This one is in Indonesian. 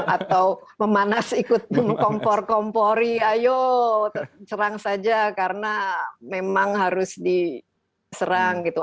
atau memanas ikut mengkompor kompori ayo serang saja karena memang harus diserang gitu